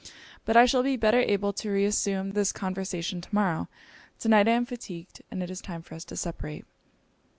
But I shall be better able to reassume this conversation to morrow to night I am fatigued; and it is time for us to separate.'